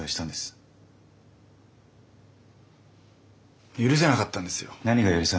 何が許せなかったんです？